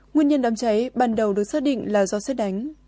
nguyên nhân đám cháy ban đầu được xác định là do xét đánh